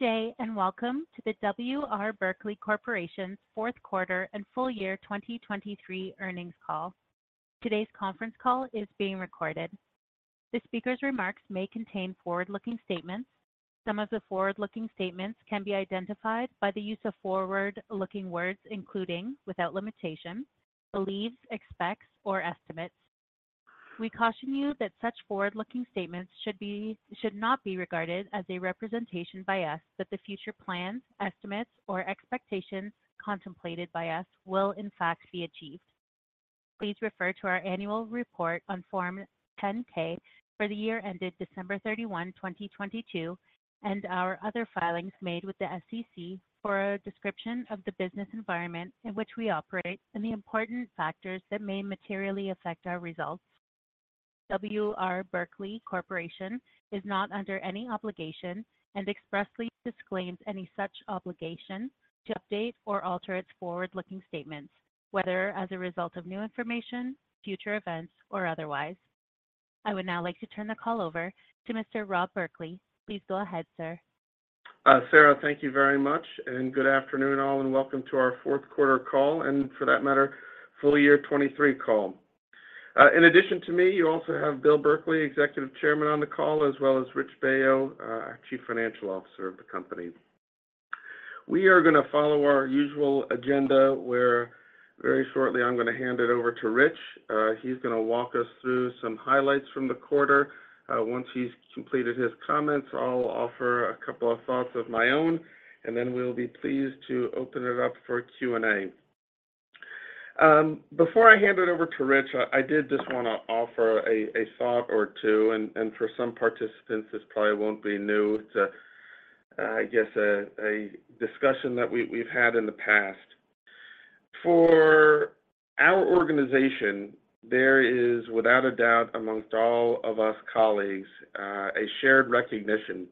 Good day, and welcome to the W. R. Berkley Corporation's fourth quarter and full year 2023 earnings call. Today's conference call is being recorded. The speaker's remarks may contain forward-looking statements. Some of the forward-looking statements can be identified by the use of forward-looking words, including, without limitation, believes, expects, or estimates. We caution you that such forward-looking statements should not be regarded as a representation by us that the future plans, estimates, or expectations contemplated by us will in fact be achieved. Please refer to our annual report on Form 10-K for the year ended December 31, 2022, and our other filings made with the SEC for a description of the business environment in which we operate and the important factors that may materially affect our results. W. R. Berkley Corporation is not under any obligation and expressly disclaims any such obligation to update or alter its forward-looking statements, whether as a result of new information, future events, or otherwise. I would now like to turn the call over to Mr. Rob Berkley. Please go ahead, sir. Sarah, thank you very much, and good afternoon, all, and welcome to our fourth quarter call, and for that matter, full year 2023 call. In addition to me, you also have Bill Berkley, Executive Chairman, on the call, as well as Rich Baio, Chief Financial Officer of the company. We are going to follow our usual agenda, where very shortly I'm going to hand it over to Rich. He's going to walk us through some highlights from the quarter. Once he's completed his comments, I'll offer a couple of thoughts of my own, and then we'll be pleased to open it up for Q&A. Before I hand it over to Rich, I, I did just want to offer a thought or two, and for some participants, this probably won't be new. It's a, I guess, a discussion that we've had in the past. For our organization, there is, without a doubt among all of us colleagues, a shared recognition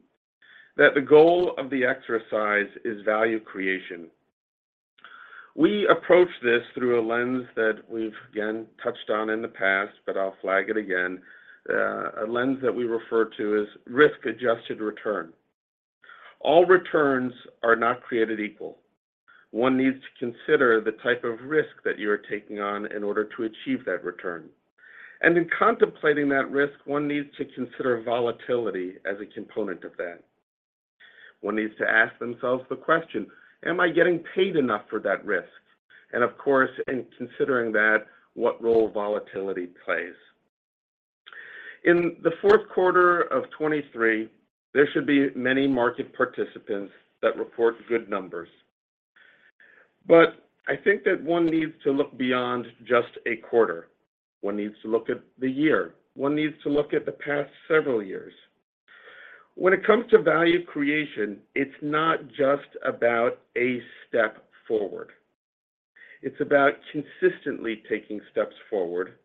that the goal of the exercise is value creation. We approach this through a lens that we've, again, touched on in the past, but I'll flag it again. A lens that we refer to as risk-adjusted return. All returns are not created equal. One needs to consider the type of risk that you are taking on in order to achieve that return. And in contemplating that risk, one needs to consider volatility as a component of that. One needs to ask themselves the question: Am I getting paid enough for that risk? And of course, in considering that, what role volatility plays. In the fourth quarter of 2023, there should be many market participants that report good numbers. But I think that one needs to look beyond just a quarter. One needs to look at the year. One needs to look at the past several years. When it comes to value creation, it's not just about a step forward. It's about consistently taking steps forward,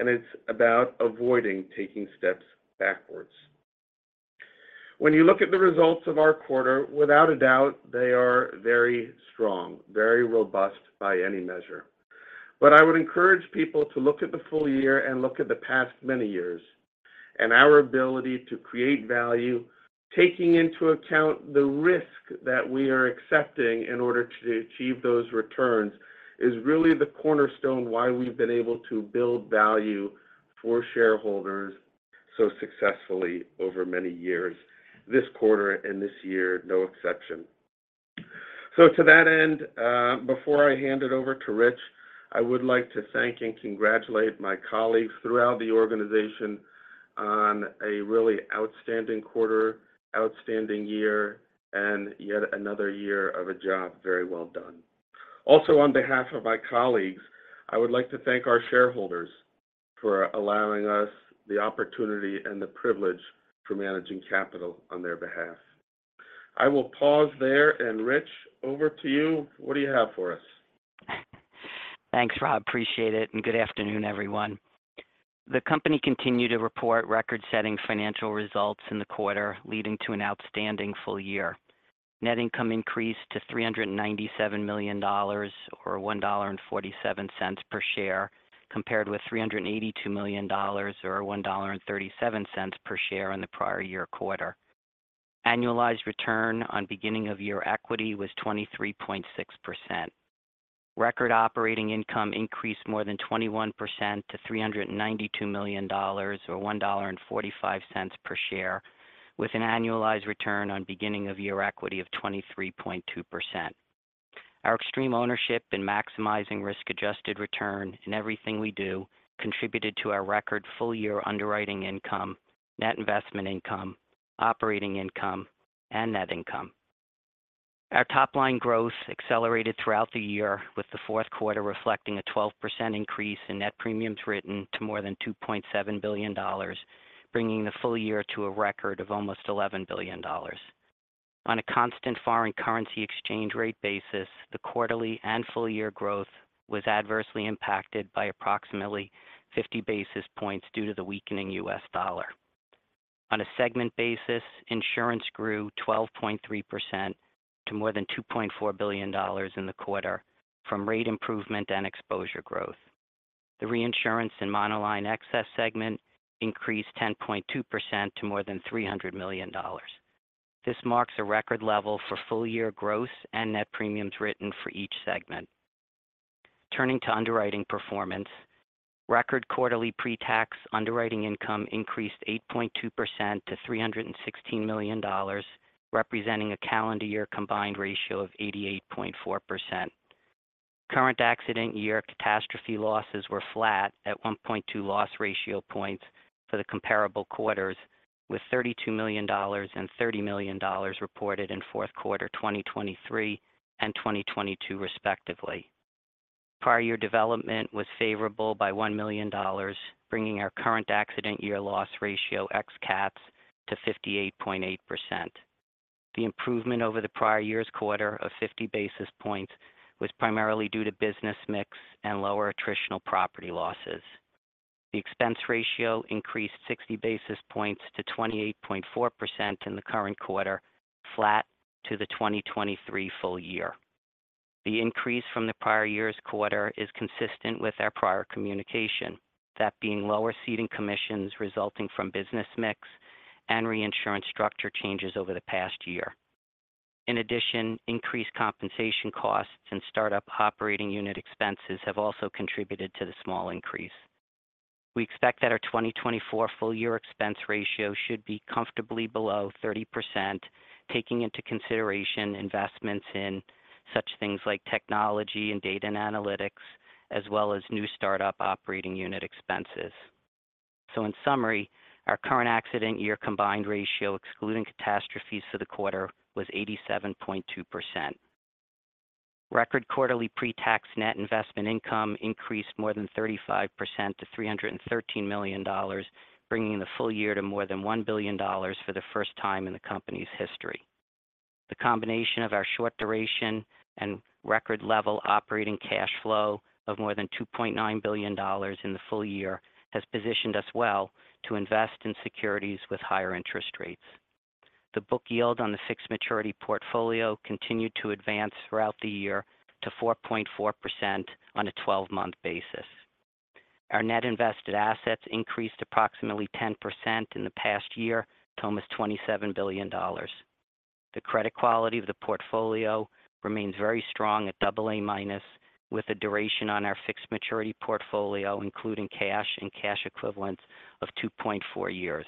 and it's about avoiding taking steps backwards. When you look at the results of our quarter, without a doubt, they are very strong, very robust by any measure. But I would encourage people to look at the full year and look at the past many years. And our ability to create value, taking into account the risk that we are accepting in order to achieve those returns, is really the cornerstone why we've been able to build value for shareholders so successfully over many years. This quarter and this year, no exception. So to that end, before I hand it over to Rich, I would like to thank and congratulate my colleagues throughout the organization on a really outstanding quarter, outstanding year, and yet another year of a job very well done. Also, on behalf of my colleagues, I would like to thank our shareholders for allowing us the opportunity and the privilege for managing capital on their behalf. I will pause there, and Rich, over to you. What do you have for us? Thanks, Rob. Appreciate it, and good afternoon, everyone. The company continued to report record-setting financial results in the quarter, leading to an outstanding full year. Net income increased to $397 million, or $1.47 per share, compared with $382 million, or $1.37 per share in the prior year quarter. Annualized return on beginning of year equity was 23.6%. Record operating income increased more than 21% to $392 million, or $1.45 per share, with an annualized return on beginning of year equity of 23.2%. Our extreme ownership in maximizing risk-adjusted return in everything we do contributed to our record full-year underwriting income, net investment income, operating income, and net income. Our top-line growth accelerated throughout the year, with the fourth quarter reflecting a 12% increase in net premiums written to more than $2.7 billion, bringing the full year to a record of almost $11 billion. On a constant foreign currency exchange rate basis, the quarterly and full-year growth was adversely impacted by approximately 50 basis points due to the weakening U.S. dollar. On a segment basis, insurance grew 12.3% to more than $2.4 billion in the quarter from rate improvement and exposure growth. The reinsurance and monoline excess segment increased 10.2% to more than $300 million. This marks a record level for full-year growth and net premiums written for each segment. Turning to underwriting performance, record quarterly pre-tax underwriting income increased 8.2% to $316 million, representing a calendar year combined ratio of 88.4%. Current accident year catastrophe losses were flat at 1.2 loss ratio points for the comparable quarters, with $32 million and $30 million reported in fourth quarter 2023 and 2022, respectively. Prior year development was favorable by $1 million, bringing our current accident year loss ratio ex caps to 58.8%. The improvement over the prior year's quarter of 50 basis points was primarily due to business mix and lower attritional property losses. The expense ratio increased 60 basis points to 28.4% in the current quarter, flat to the 2023 full year. The increase from the prior year's quarter is consistent with our prior communication, that being lower ceding commissions resulting from business mix and reinsurance structure changes over the past year. In addition, increased compensation costs and startup operating unit expenses have also contributed to the small increase. We expect that our 2024 full-year expense ratio should be comfortably below 30%, taking into consideration investments in such things like technology and data and analytics, as well as new startup operating unit expenses. So in summary, our current accident year combined ratio, excluding catastrophes for the quarter, was 87.2%. Record quarterly pre-tax net investment income increased more than 35% to $313 million, bringing the full year to more than $1 billion for the first time in the company's history. The combination of our short duration and record level operating cash flow of more than $2.9 billion in the full year has positioned us well to invest in securities with higher interest rates. The book yield on the fixed maturity portfolio continued to advance throughout the year to 4.4% on a 12-month basis. Our net invested assets increased approximately 10% in the past year to almost $27 billion. The credit quality of the portfolio remains very strong at aa-, with a duration on our fixed maturity portfolio, including cash and cash equivalents of 2.4 years.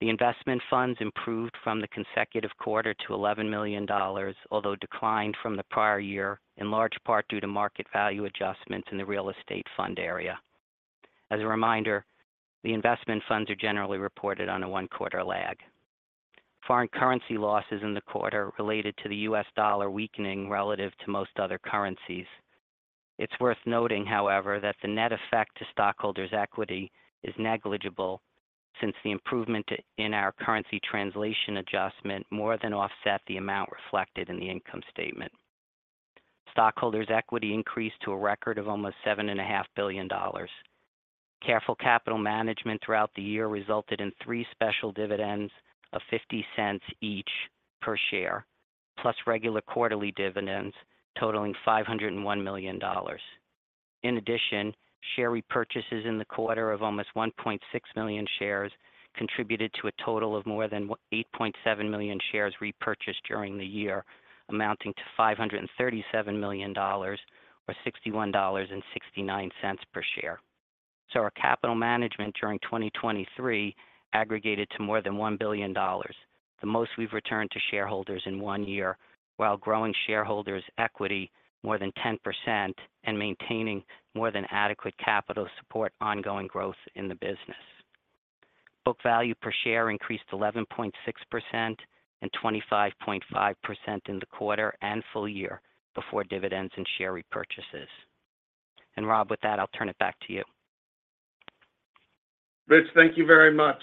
The investment funds improved from the consecutive quarter to $11 million, although declined from the prior year, in large part due to market value adjustments in the real estate fund area. As a reminder, the investment funds are generally reported on a one-quarter lag. Foreign currency losses in the quarter related to the U.S. dollar weakening relative to most other currencies. It's worth noting, however, that the net effect to stockholders' equity is negligible, since the improvement in our currency translation adjustment more than offset the amount reflected in the income statement. Stockholders' equity increased to a record of almost $7.5 billion. Careful capital management throughout the year resulted in three special dividends of $0.50 each per share, plus regular quarterly dividends totaling $501 million. In addition, share repurchases in the quarter of almost 1.6 million shares contributed to a total of more than 8.7 million shares repurchased during the year, amounting to $537 million or $61.69 per share. So our capital management during 2023 aggregated to more than $1 billion, the most we've returned to shareholders in one year, while growing shareholders' equity more than 10% and maintaining more than adequate capital support ongoing growth in the business. Book value per share increased 11.6% and 25.5% in the quarter and full year before dividends and share repurchases. Rob, with that, I'll turn it back to you. Rich, thank you very much.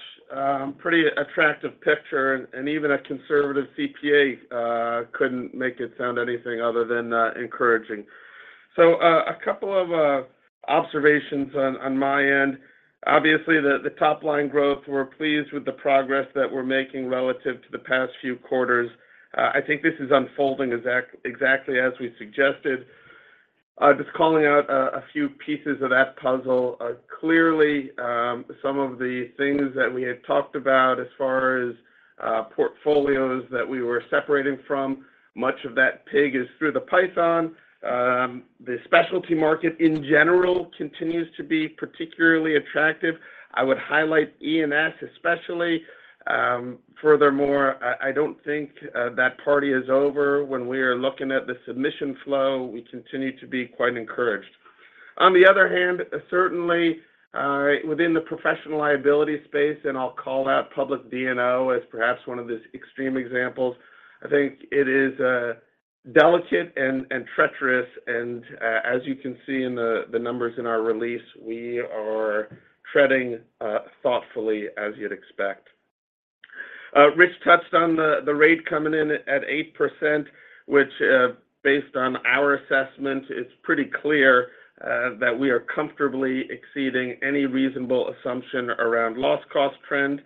Pretty attractive picture, and even a conservative CPA couldn't make it sound anything other than encouraging. So, a couple of observations on my end. Obviously, the top-line growth, we're pleased with the progress that we're making relative to the past few quarters. I think this is unfolding exactly as we suggested. Just calling out a few pieces of that puzzle. Clearly, some of the things that we had talked about as far as portfolios that we were separating from, much of that pig is through the python. The specialty market in general continues to be particularly attractive. I would highlight E&S, especially. Furthermore, I don't think that party is over. When we are looking at the submission flow, we continue to be quite encouraged. On the other hand, certainly, within the professional liability space, and I'll call out public D&O as perhaps one of the extreme examples, I think it is delicate and treacherous, and as you can see in the numbers in our release, we are treading thoughtfully, as you'd expect. Rich touched on the rate coming in at 8%, which, based on our assessment, it's pretty clear that we are comfortably exceeding any reasonable assumption around loss cost trend,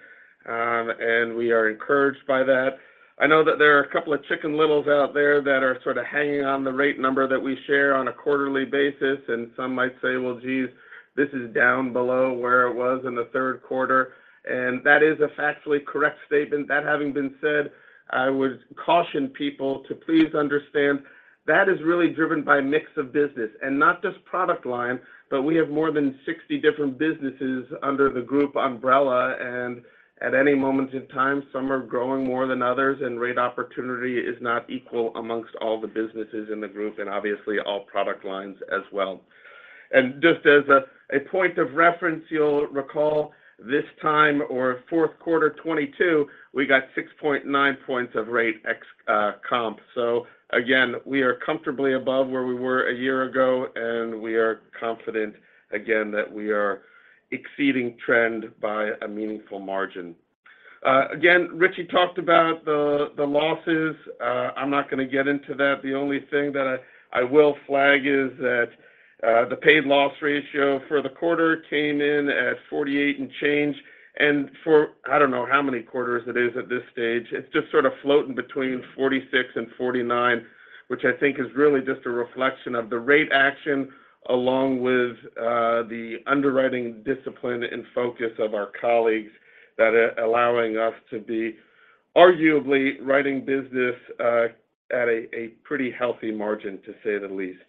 and we are encouraged by that. I know that there are a couple of Chicken Littles out there that are sort of hanging on the rate number that we share on a quarterly basis, and some might say, "Well, geez, this is down below where it was in the third quarter," and that is a factually correct statement. That having been said, I would caution people to please understand that is really driven by mix of business, and not just product line, but we have more than 60 different businesses under the group umbrella, and at any moment in time, some are growing more than others, and rate opportunity is not equal amongst all the businesses in the group and obviously all product lines as well. And just as a point of reference, you'll recall this time, or fourth quarter 2022, we got 6.9 points of rate ex comp. So again, we are comfortably above where we were a year ago, and we are confident again that we are exceeding trend by a meaningful margin. Again, Rich talked about the losses. I'm not going to get into that. The only thing that I will flag is that the paid loss ratio for the quarter came in at 48 and change, and for I don't know how many quarters it is at this stage, it's just sort of floating between 46 and 49, which I think is really just a reflection of the rate action along with the underwriting discipline and focus of our colleagues that are allowing us to be arguably writing business at a pretty healthy margin, to say the least.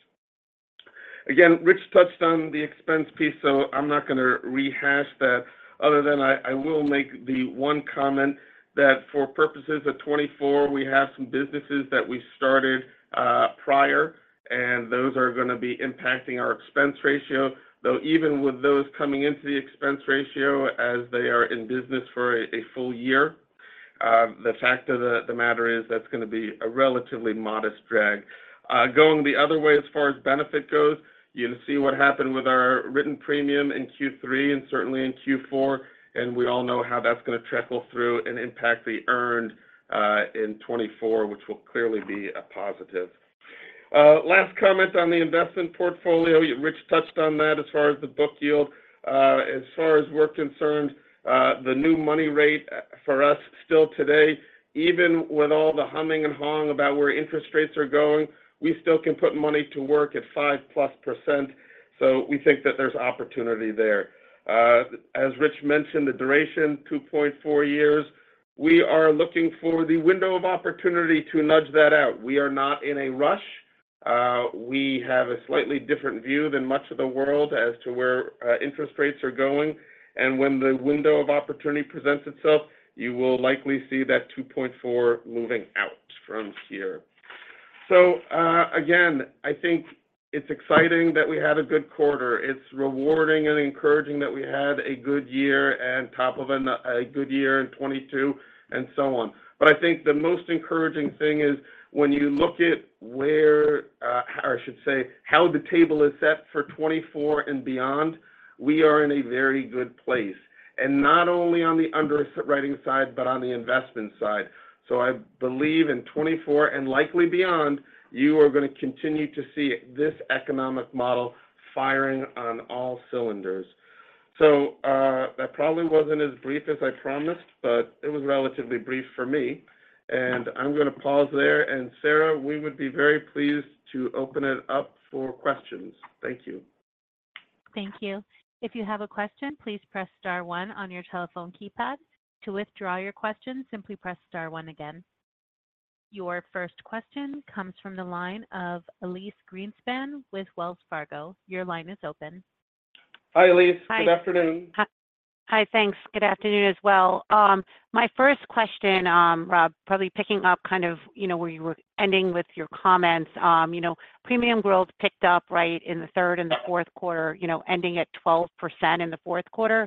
Again, Rich touched on the expense piece, so I'm not going to rehash that other than I will make the one comment that for purposes of 2024, we have some businesses that we started prior, and those are going to be impacting our expense ratio. Though even with those coming into the expense ratio as they are in business for a full year, the fact of the matter is that's going to be a relatively modest drag. Going the other way, as far as benefit goes, you see what happened with our written premium in Q3 and certainly in Q4, and we all know how that's going to trickle through and impact the earned in 2024, which will clearly be a positive. Last comment on the investment portfolio. Rich touched on that as far as the book yield. As far as we're concerned, the new money rate for us still today, even with all the humming and hawing about where interest rates are going, we still can put money to work at 5%+, so we think that there's opportunity there. As Rich mentioned, the duration, 2.4 years, we are looking for the window of opportunity to nudge that out. We are not in a rush. We have a slightly different view than much of the world as to where interest rates are going, and when the window of opportunity presents itself, you will likely see that 2.4 moving out from here. So, again, I think it's exciting that we had a good quarter. It's rewarding and encouraging that we had a good year and top of a good year in 2022 and so on. But I think the most encouraging thing is when you look at where, or I should say, how the table is set for 2024 and beyond, we are in a very good place, and not only on the underwriting side, but on the investment side. So I believe in 2024 and likely beyond, you are going to continue to see this economic model firing on all cylinders. So, that probably wasn't as brief as I promised, but it was relatively brief for me, and I'm going to pause there. And, Sarah, we would be very pleased to open it up for questions. Thank you. Thank you. If you have a question, please press star one on your telephone keypad. To withdraw your question, simply press star one again. Your first question comes from the line of Elyse Greenspan with Wells Fargo. Your line is open. Hi, Elyse. Hi. Good afternoon. Hi. Hi, thanks. Good afternoon as well. My first question, Rob, probably picking up kind of, you know, where you were ending with your comments, you know, premium growth picked up right in the third and the fourth quarter, you know, ending at 12% in the fourth quarter.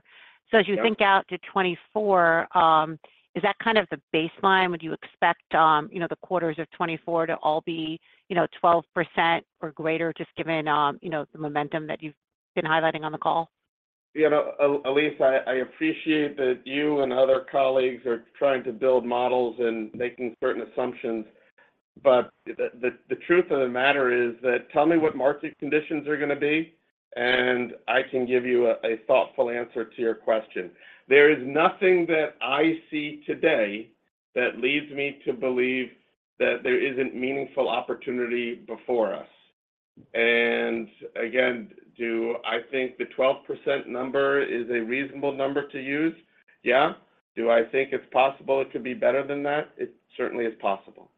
Yeah. So as you think out to 2024, is that kind of the baseline? Would you expect, you know, the quarters of 2024 to all be, you know, 12% or greater, just given, you know, the momentum that you've been highlighting on the call? You know, Elyse, I, I appreciate that you and other colleagues are trying to build models and making certain assumptions, but the truth of the matter is that tell me what market conditions are going to be, and I can give you a thoughtful answer to your question. There is nothing that I see today that leads me to believe that there isn't meaningful opportunity before us. And again, do I think the 12% number is a reasonable number to use? Yeah. Do I think it's possible it could be better than that? It certainly is possible.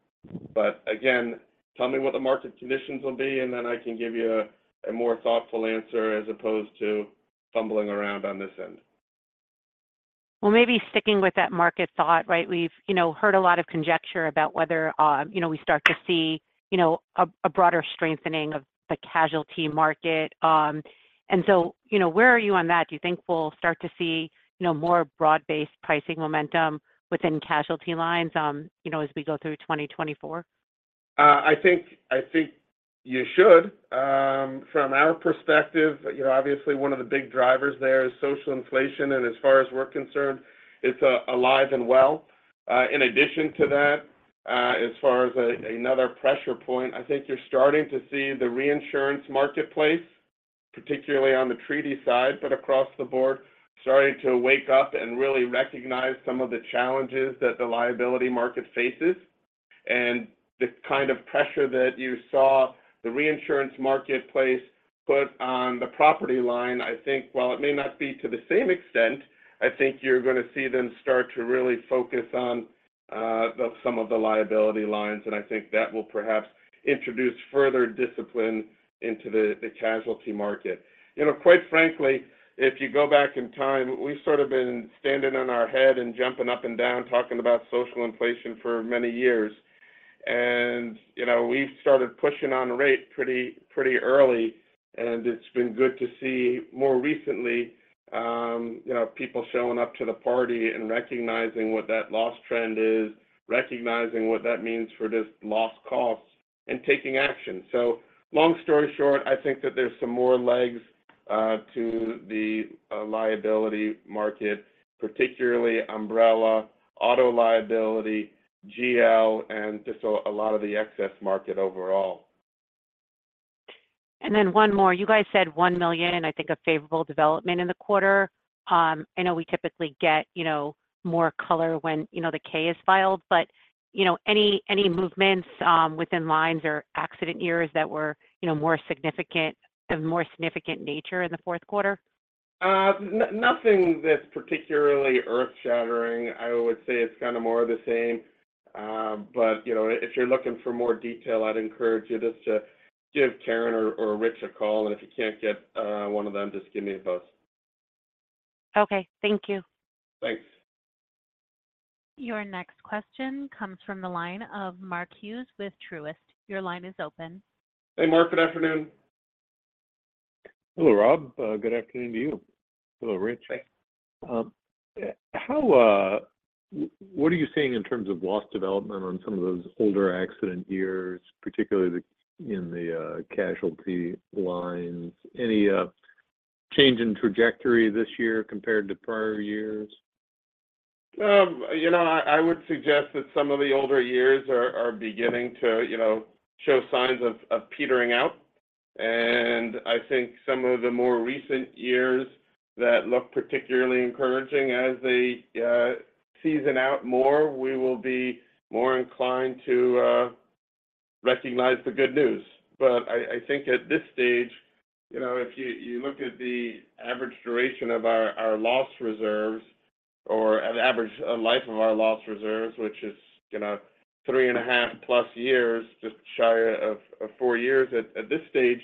But again, tell me what the market conditions will be, and then I can give you a more thoughtful answer as opposed to fumbling around on this end. Well, maybe sticking with that market thought, right? We've, you know, heard a lot of conjecture about whether, you know, we start to see, you know, a broader strengthening of the casualty market. And so, you know, where are you on that? Do you think we'll start to see, you know, more broad-based pricing momentum within casualty lines, you know, as we go through 2024? I think, I think you should. From our perspective, you know, obviously one of the big drivers there is social inflation, and as far as we're concerned, it's alive and well. In addition to that, as far as another pressure point, I think you're starting to see the reinsurance marketplace particularly on the treaty side, but across the board, starting to wake up and really recognize some of the challenges that the liability market faces. And the kind of pressure that you saw the reinsurance marketplace put on the property line, I think while it may not be to the same extent, I think you're going to see them start to really focus on some of the liability lines, and I think that will perhaps introduce further discipline into the casualty market. You know, quite frankly, if you go back in time, we've sort of been standing on our head and jumping up and down, talking about social inflation for many years. You know, we started pushing on rate pretty, pretty early, and it's been good to see more recently, you know, people showing up to the party and recognizing what that loss trend is, recognizing what that means for just loss costs and taking action. So long story short, I think that there's some more legs to the liability market, particularly umbrella, auto liability, GL, and just a lot of the excess market overall. And then one more. You guys said $1 million, I think, of favorable development in the quarter. I know we typically get, you know, more color when, you know, the K is filed, but, you know, any movements within lines or accident years that were, you know, more significant of more significant nature in the fourth quarter? Nothing that's particularly earth-shattering. I would say it's kind of more of the same. But, you know, if you're looking for more detail, I'd encourage you just to give Karen or Rich a call, and if you can't get one of them, just give me a buzz. Okay. Thank you. Thanks. Your next question comes from the line of Mark Hughes with Truist. Your line is open. Hey, Mark, good afternoon. Hello, Rob. Good afternoon to you. Hello, Rich. Hey. What are you seeing in terms of loss development on some of those older accident years, particularly in the casualty lines? Any change in trajectory this year compared to prior years? You know, I would suggest that some of the older years are beginning to, you know, show signs of petering out, and I think some of the more recent years that look particularly encouraging as they season out more, we will be more inclined to recognize the good news. But I think at this stage, you know, if you look at the average duration of our loss reserves or an average life of our loss reserves, which is, you know, 3.5+ years, just shy of four years, at this stage,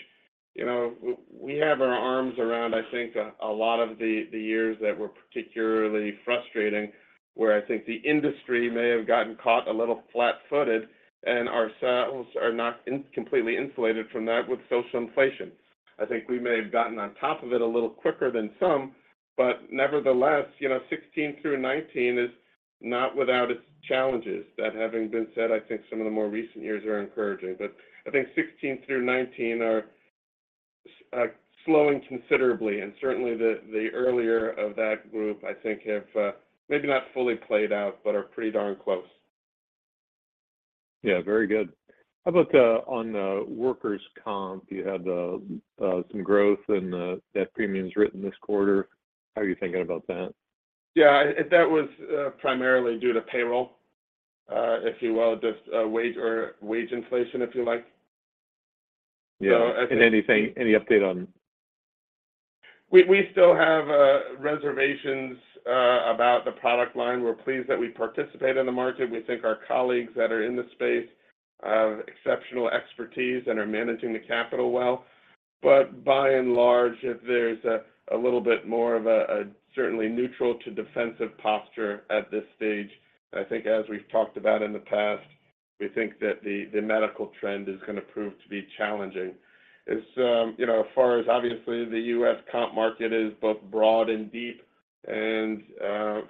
you know, we have our arms around, I think, a lot of the years that were particularly frustrating, where I think the industry may have gotten caught a little flat-footed, and ourselves are not completely insulated from that with social inflation. I think we may have gotten on top of it a little quicker than some, but nevertheless, you know, 2016 through 2019 is not without its challenges. That having been said, I think some of the more recent years are encouraging, but I think 2016 through 2019 are slowing considerably, and certainly the earlier of that group, I think, have maybe not fully played out but are pretty darn close. Yeah, very good. How about on the workers' comp? You had some growth in that premiums written this quarter. How are you thinking about that? Yeah, that was primarily due to payroll, if you will, just wage or wage inflation, if you like. Yeah. So I think. Anything, any update on? We still have reservations about the product line. We're pleased that we participate in the market. We think our colleagues that are in the space have exceptional expertise and are managing the capital well. But by and large, if there's a little bit more of a certainly neutral to defensive posture at this stage, I think as we've talked about in the past, we think that the medical trend is going to prove to be challenging. As you know, as far as obviously, the US comp market is both broad and deep, and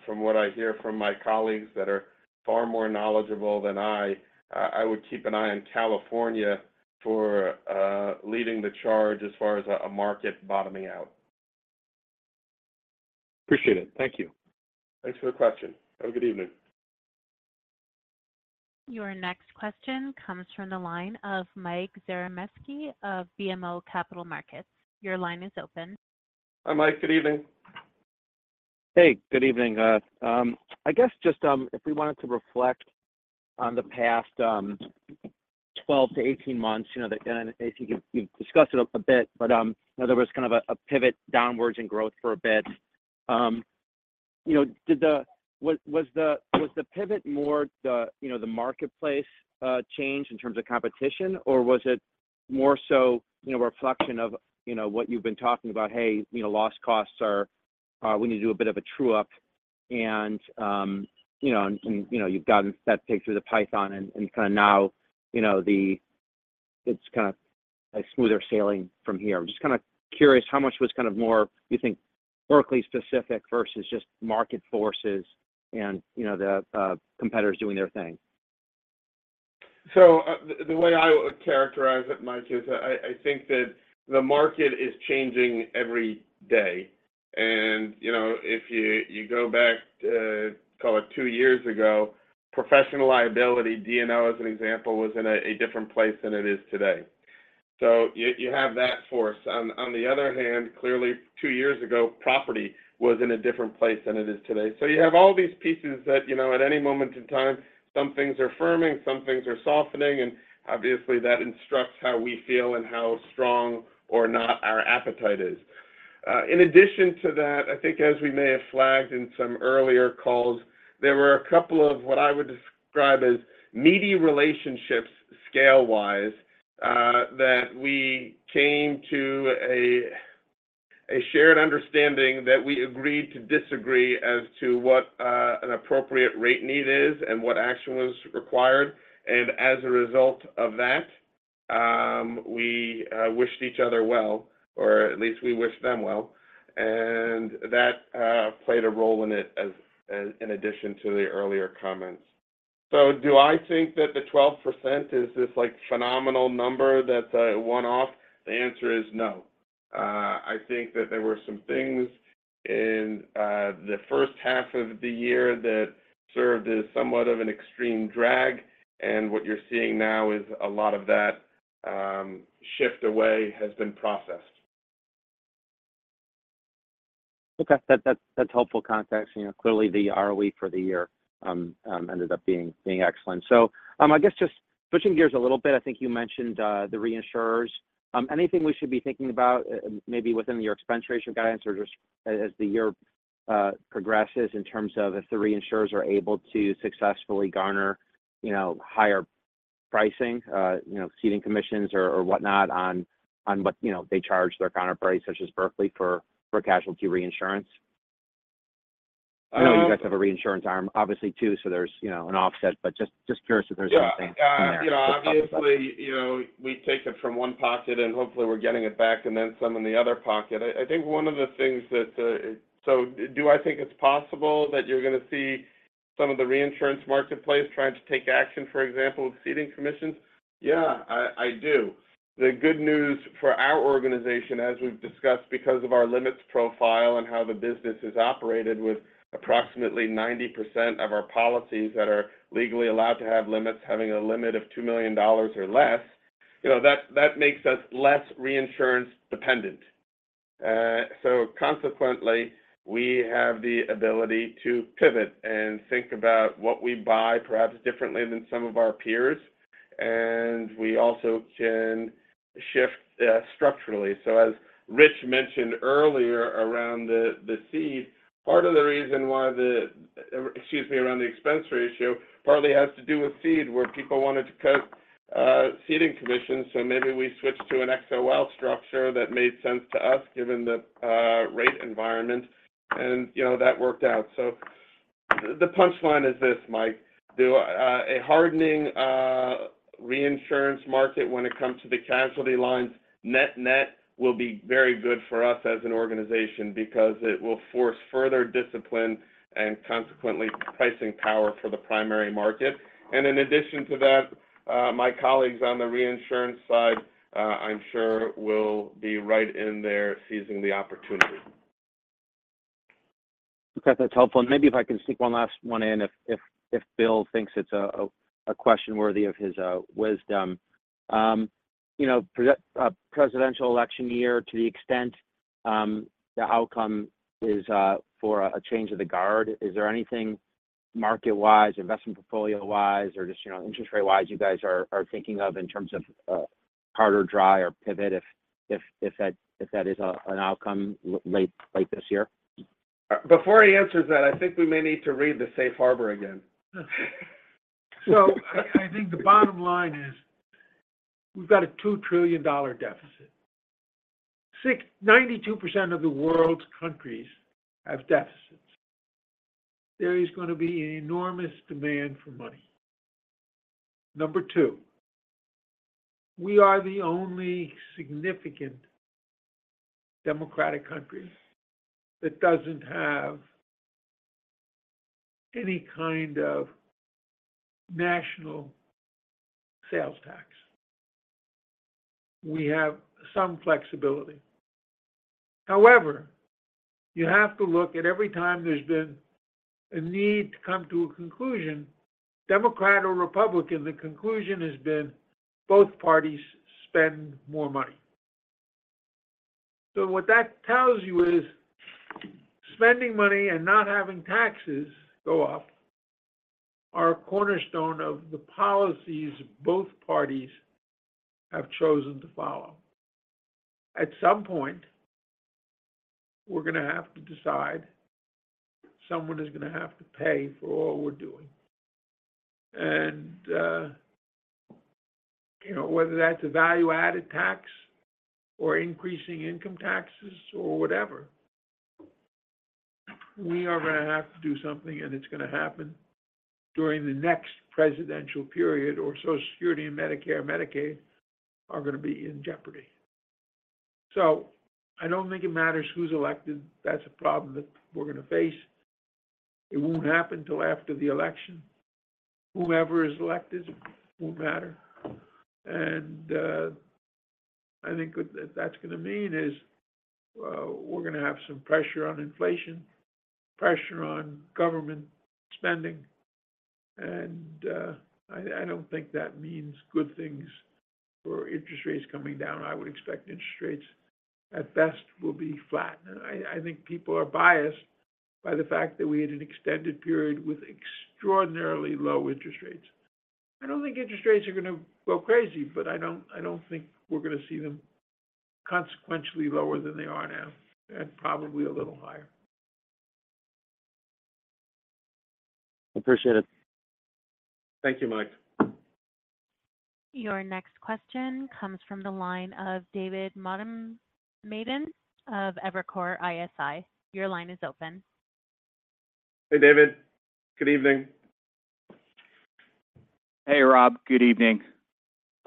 from what I hear from my colleagues that are far more knowledgeable than I, I would keep an eye on California for leading the charge as far as a market bottoming out. Appreciate it. Thank you. Thanks for the question. Have a good evening. Your next question comes from the line of Mike Zaremski of BMO Capital Markets. Your line is open. Hi, Mike. Good evening. Hey, good evening. I guess just if we wanted to reflect on the past 12-18 months, you know, that, and if you could discussed it a bit, but in other words, kind of a pivot downwards in growth for a bit. You know, did was the pivot more the, you know, the marketplace change in terms of competition, or was it more so, you know, a reflection of, you know, what you've been talking about, hey, you know, loss costs are, we need to do a bit of a true up, and, you know, you've gotten that pig through the python, and kind of now, you know, it's kind of a smoother sailing from here? I'm just kind of curious how much was kind of more, you think, Berkley specific versus just market forces and, you know, the, competitors doing their thing? So, the way I would characterize it, Mike, is I think that the market is changing every day. And, you know, if you go back to, call it two years ago, professional liability, D&O, as an example, was in a different place than it is today. So you have that force. On the other hand, clearly, two years ago, property was in a different place than it is today. So you have all these pieces that, you know, at any moment in time, some things are firming, some things are softening, and obviously, that instructs how we feel and how strong or not our appetite is. In addition to that, I think as we may have flagged in some earlier calls, there were a couple of what I would describe as meaty relationships, scale-wise, that we came to a shared understanding that we agreed to disagree as to what an appropriate rate need is and what action was required. And as a result of that, we wished each other well, or at least we wished them well, and that played a role in it as in addition to the earlier comments. So do I think that the 12% is this, like, phenomenal number that's a one-off? The answer is no. I think that there were some things in the first half of the year that served as somewhat of an extreme drag, and what you're seeing now is a lot of that shift away has been processed. Okay, that's helpful context. You know, clearly, the ROE for the year ended up being excellent. So, I guess just switching gears a little bit, I think you mentioned the reinsurers. Anything we should be thinking about, maybe within your expense ratio guidance or just as the year progresses in terms of if the reinsurers are able to successfully garner, you know, higher pricing, you know, ceding commissions or whatnot on what they charge their counterparties, such as Berkley, for casualty reinsurance? Um- I know you guys have a reinsurance arm, obviously, too, so there's, you know, an offset, but just, just curious if there's anything in there? Yeah. Obviously, you know, we take it from one pocket, and hopefully, we're getting it back and then some in the other pocket. I, I think one of the things that. So do I think it's possible that you're going to see some of the reinsurance marketplace trying to take action, for example, with ceding commissions? Yeah, I, I do. The good news for our organization, as we've discussed, because of our limits profile and how the business is operated with approximately 90% of our policies that are legally allowed to have limits, having a limit of $2 million or less, you know, that, that makes us less reinsurance dependent. So consequently, we have the ability to pivot and think about what we buy perhaps differently than some of our peers, and we also can shift structurally. So as Rich mentioned earlier around the ceding, part of the reason why the, excuse me, around the expense ratio, partly has to do with ceding, where people wanted to cut ceding commissions, so maybe we switched to an XOL structure that made sense to us, given the rate environment, and, you know, that worked out. So the punchline is this, Mike: a hardening reinsurance market when it comes to the casualty lines, net-net will be very good for us as an organization because it will force further discipline and consequently, pricing power for the primary market. And in addition to that, my colleagues on the reinsurance side, I'm sure will be right in there seizing the opportunity. Okay, that's helpful. And maybe if I can sneak one last one in, if Bill thinks it's a question worthy of his wisdom. You know, presidential election year, to the extent the outcome is for a change of the guard, is there anything market-wise, investment portfolio-wise, or just, you know, interest rate-wise, you guys are thinking of in terms of harder dry or pivot, if that is an outcome late this year? Before he answers that, I think we may need to read the safe harbor again. So I think the bottom line is, we've got a $2 trillion deficit. Ninety-two percent of the world's countries have deficits. There is going to be an enormous demand for money. Number two, we are the only significant democratic country that doesn't have any kind of national sales tax. We have some flexibility. However, you have to look at every time there's been a need to come to a conclusion, Democrat or Republican, the conclusion has been both parties spend more money. So what that tells you is, spending money and not having taxes go up are a cornerstone of the policies both parties have chosen to follow. At some point, we're going to have to decide, someone is going to have to pay for all we're doing. You know, whether that's a value-added tax or increasing income taxes or whatever, we are going to have to do something, and it's going to happen during the next presidential period, or Social Security and Medicare or Medicaid are going to be in jeopardy. So I don't think it matters who's elected. That's a problem that we're going to face. It won't happen till after the election. Whoever is elected won't matter. I think what that's going to mean is, we're going to have some pressure on inflation, pressure on government spending, and, I don't think that means good things for interest rates coming down. I would expect interest rates, at best, will be flat. I think people are biased by the fact that we had an extended period with extraordinarily low interest rates. I don't think interest rates are going to go crazy, but I don't think we're going to see them consequentially lower than they are now, and probably a little higher. Appreciate it. Thank you, Mike. Your next question comes from the line of David Motemaden of Evercore ISI. Your line is open. Hey, David. Good evening. Hey, Rob. Good evening. So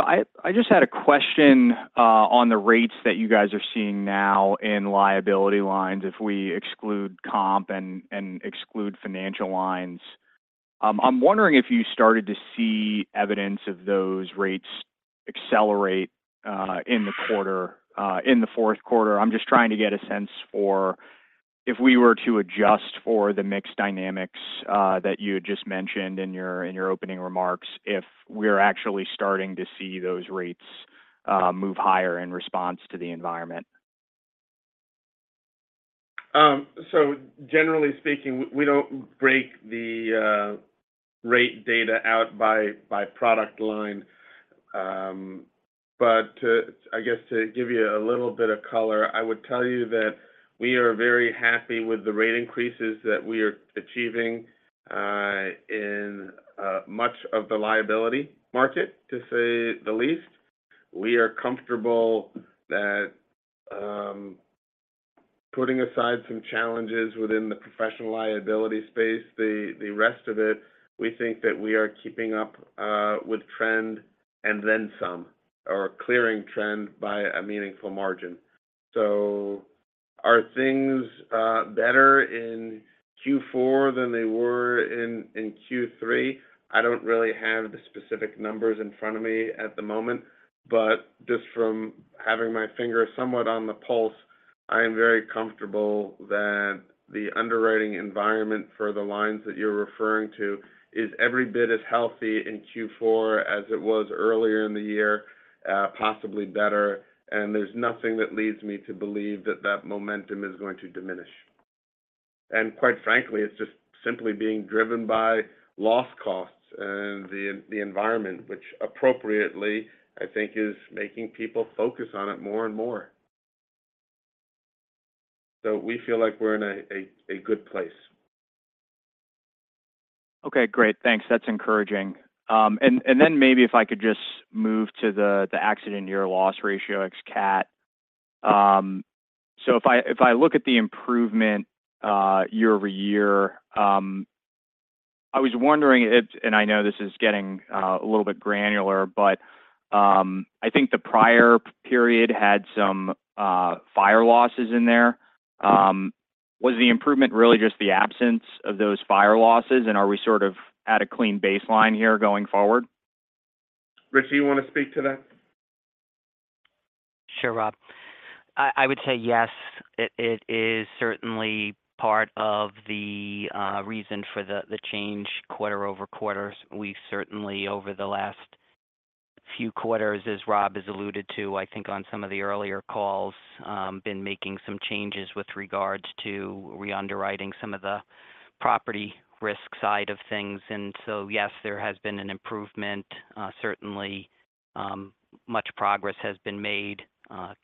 I just had a question on the rates that you guys are seeing now in liability lines, if we exclude comp and exclude financial lines. I'm wondering if you started to see evidence of those rates accelerate in the quarter, in the fourth quarter. I'm just trying to get a sense for if we were to adjust for the mix dynamics that you had just mentioned in your opening remarks, if we're actually starting to see those rates move higher in response to the environment. So generally speaking, we don't break the rate data out by product line. But I guess to give you a little bit of color, I would tell you that we are very happy with the rate increases that we are achieving in much of the liability market, to say the least. We are comfortable that, putting aside some challenges within the professional liability space, the rest of it, we think that we are keeping up with trend and then some, or clearing trend by a meaningful margin. So are things better in Q4 than they were in Q3? I don't really have the specific numbers in front of me at the moment, but just from having my finger somewhat on the pulse, I am very comfortable that the underwriting environment for the lines that you're referring to is every bit as healthy in Q4 as it was earlier in the year, possibly better, and there's nothing that leads me to believe that that momentum is going to diminish. Quite frankly, it's just simply being driven by loss costs and the environment, which appropriately, I think, is making people focus on it more and more. We feel like we're in a good place. Okay, great. Thanks. That's encouraging. And then maybe if I could just move to the accident year loss ratio ex cat. So if I look at the improvement year-over-year, I was wondering if and I know this is getting a little bit granular, I think the prior period had some fire losses in there. Was the improvement really just the absence of those fire losses? And are we sort of at a clean baseline here going forward? Rich, do you want to speak to that? Sure, Rob. I would say yes, it is certainly part of the reason for the change quarter-over-quarter. We've certainly, over the last few quarters, as Rob has alluded to, I think on some of the earlier calls, been making some changes with regards to reunderwriting some of the property risk side of things. And so, yes, there has been an improvement. Certainly, much progress has been made.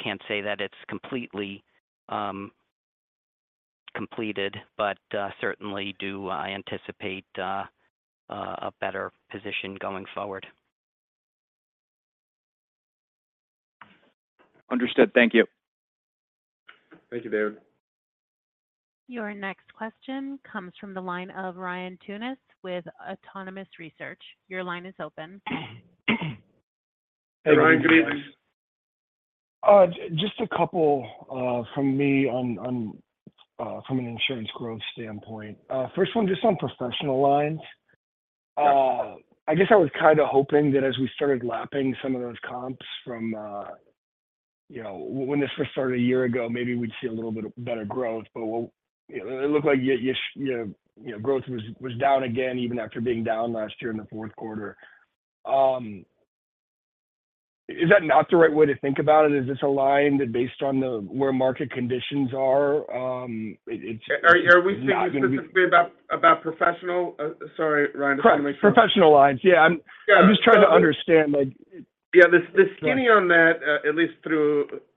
Can't say that it's completely completed, but certainly do anticipate a better position going forward. Understood. Thank you. Thank you, David. Your next question comes from the line of Ryan Tunis with Autonomous Research. Your line is open. Hey, Ryan, good evening. Just a couple from me on from an insurance growth standpoint. First one, just on professional lines. I guess I was kind of hoping that as we started lapping some of those comps from you know, when this first started a year ago, maybe we'd see a little bit of better growth. But it looked like you know, growth was down again, even after being down last year in the fourth quarter. Is that not the right way to think about it? Is this a line that based on the where market conditions are. Are we speaking specifically about professional? Sorry, Ryan, I just want to make sure. Professional lines, yeah. Yeah. I'm just trying to understand, like. Yeah, the skinny on that, at least,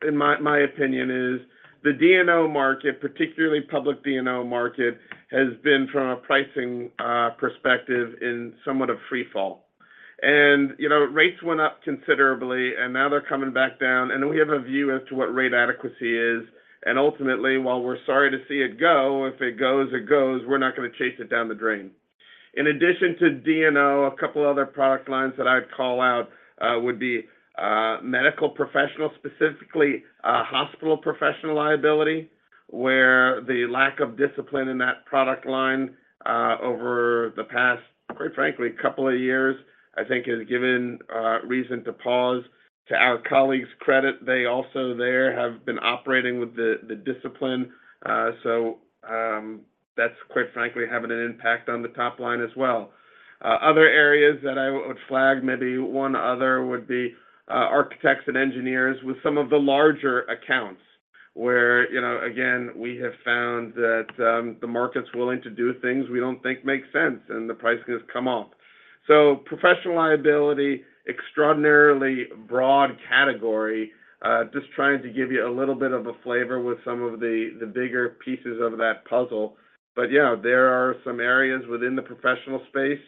in my opinion, is the D&O market, particularly public D&O market, has been, from a pricing perspective, in somewhat of free fall. And, you know, rates went up considerably, and now they're coming back down, and we have a view as to what rate adequacy is, and ultimately, while we're sorry to see it go, if it goes, it goes. We're not going to chase it down the drain. In addition to D&O, a couple other product lines that I'd call out would be medical professional, specifically hospital professional liability, where the lack of discipline in that product line over the past, quite frankly, couple of years, I think has given reason to pause. To our colleagues' credit, they also there have been operating with the discipline, that's quite frankly, having an impact on the top line as well. Other areas that I would flag, maybe one other, would be Architects and Engineers with some of the larger accounts where, you know, again, we have found that the market's willing to do things we don't think makes sense, and the price has come up. So professional liability, extraordinarily broad category. Just trying to give you a little bit of a flavor with some of the bigger pieces of that puzzle. But yeah, there are some areas within the professional space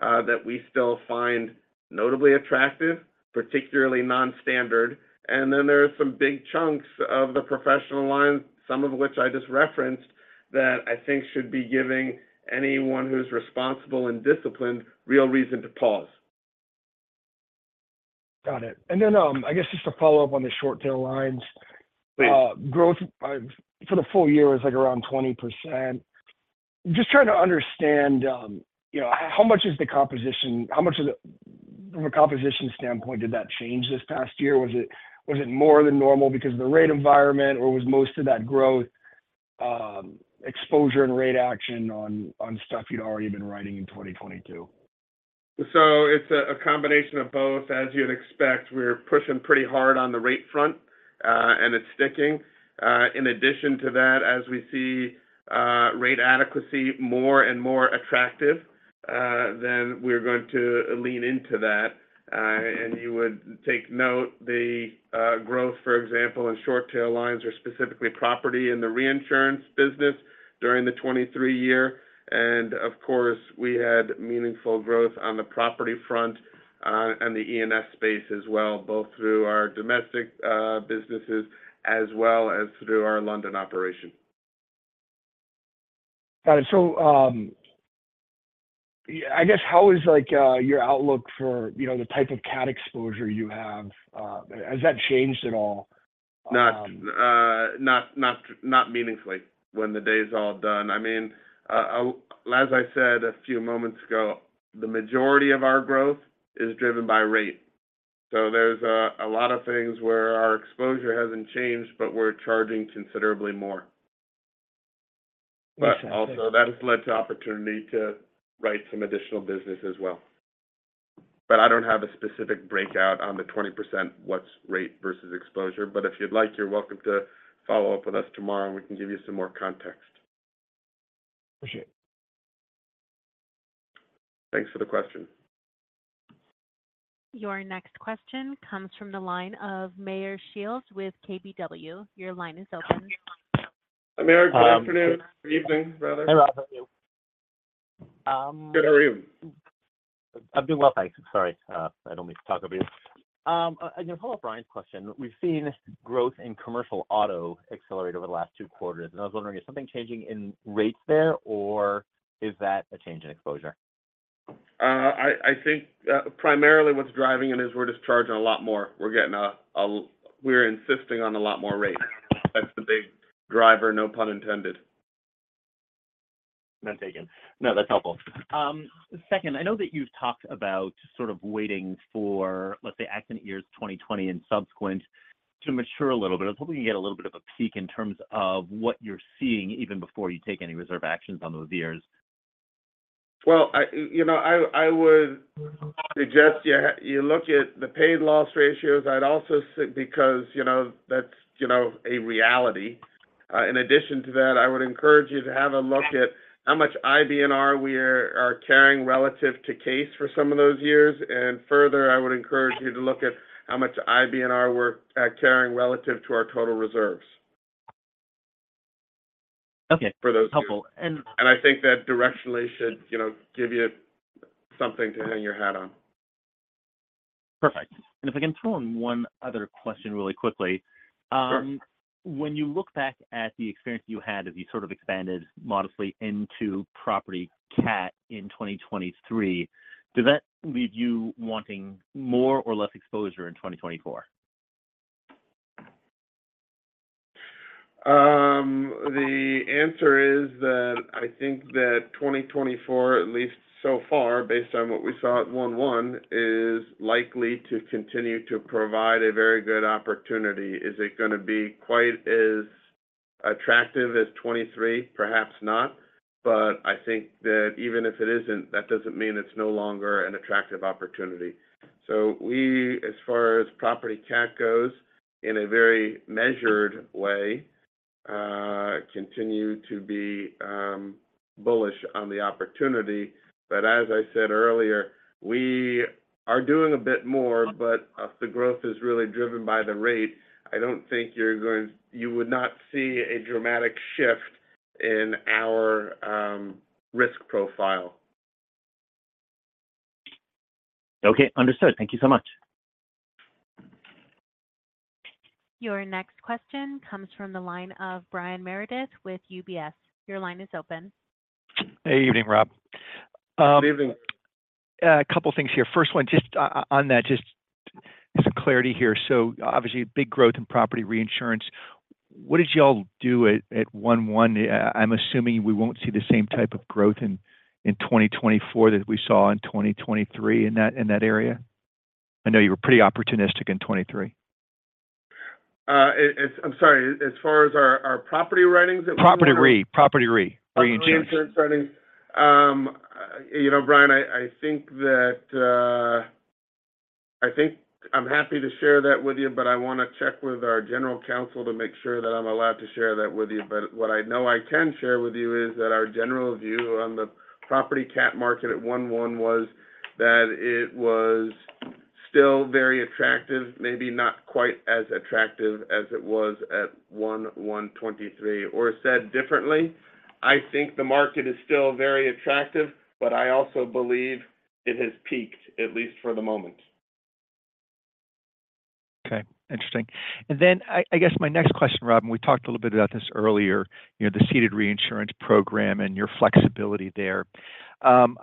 that we still find notably attractive, particularly non-standard. And then there are some big chunks of the professional line, some of which I just referenced, that I think should be giving anyone who's responsible and disciplined real reason to pause. Got it. Then, I guess just to follow up on the short tail lines. Please. Growth for the full year was, like, around 20%. Just trying to understand, you know, how much is the composition. How much is it, from a composition standpoint, did that change this past year? Was it, was it more than normal because of the rate environment, or was most of that growth, exposure and rate action on, on stuff you'd already been writing in 2022? So it's a combination of both, as you'd expect. We're pushing pretty hard on the rate front, and it's sticking. In addition to that, as we see, rate adequacy more and more attractive, then we're going to lean into that. And you would take note, the, growth, for example, in short tail lines, or specifically property in the reinsurance business during the 2023 year, and of course, we had meaningful growth on the property front, and the E&S space as well, both through our domestic, businesses as well as through our London operation. Got it. So, yeah, I guess how is, like, your outlook for, you know, the type of cat exposure you have? Has that changed at all? Not meaningfully when the day is all done. I mean, as I said a few moments ago, the majority of our growth is driven by rate. So there's a lot of things where our exposure hasn't changed, but we're charging considerably more. Gotcha. But also that has led to opportunity to write some additional business as well. But I don't have a specific breakout on the 20%, what's rate versus exposure? But if you'd like, you're welcome to follow up with us tomorrow, and we can give you some more context. Appreciate it. Thanks for the question. Your next question comes from the line of Meyer Shields with KBW. Your line is open. Meyer, good afternoon. Good evening, rather. Hello, how are you? Good, how are you? I'm doing well, thanks. Sorry, I don't mean to talk over you. You know, to follow up Brian's question, we've seen growth in Commercial Auto accelerate over the last two quarters, and I was wondering, is something changing in rates there, or is that a change in exposure? I think primarily what's driving it is we're just charging a lot more. We're insisting on a lot more rate. That's the big driver, no pun intended. None taken. No, that's helpful. Second, I know that you've talked about sort of waiting for, let's say, accident years 2020 and subsequent to mature a little bit. I was hoping you get a little bit of a peek in terms of what you're seeing even before you take any reserve actions on those years. Well, you know, I would suggest you look at the paid loss ratios. I'd also say, because, you know, that's, you know, a reality. In addition to that, I would encourage you to have a look at how much IBNR we are carrying relative to case for some of those years. And further, I would encourage you to look at how much IBNR we're carrying relative to our total reserves. Okay. For those- Helpful, and- I think that directionally should, you know, give you something to hang your hat on. Perfect. And if I can throw in one other question really quickly. Sure. When you look back at the experience you had as you sort of expanded modestly into property cat in 2023, did that leave you wanting more or less exposure in 2024? The answer is that I think that 2024, at least so far, based on what we saw at 1/1, is likely to continue to provide a very good opportunity. Is it gonna be quite as attractive as 2023? Perhaps not. But I think that even if it isn't, that doesn't mean it's no longer an attractive opportunity. So we, as far as property cat goes, in a very measured way, continue to be bullish on the opportunity. But as I said earlier, we are doing a bit more, but the growth is really driven by the rate. I don't think you're going. You would not see a dramatic shift in our risk profile. Okay, understood. Thank you so much. Your next question comes from the line of Brian Meredith with UBS. Your line is open. Hey, evening, Rob. Good evening. A couple of things here. First one, just on that, just some clarity here. So obviously, big growth in property reinsurance. What did y'all do at 1/1? I'm assuming we won't see the same type of growth in 2024 that we saw in 2023 in that area. I know you were pretty opportunistic in 2023. It's. I'm sorry. As far as our property writings Property re, property re, reinsurance. Property insurance writings. You know, Brian, I think I'm happy to share that with you, but I want to check with our general counsel to make sure that I'm allowed to share that with you. But what I know I can share with you is that our general view on the property cat market at 1/1 was that it was still very attractive, maybe not quite as attractive as it was at 1/1/2023, or said differently, I think the market is still very attractive, but I also believe it has peaked, at least for the moment. Okay, interesting. And then I guess my next question, Rob, and we talked a little bit about this earlier, you know, the ceded reinsurance program and your flexibility there. I'm